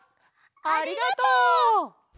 ありがとう！